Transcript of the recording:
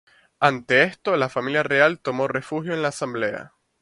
Ante esto, la familia Real tomó refugio en la Asamblea.